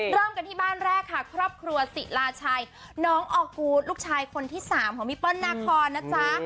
เริ่มกันที่บ้านแรกค่ะครอบครัวศิลาชัยน้องออกูธลูกชายคนที่๓ของพี่เปิ้ลนาคอนนะจ๊ะ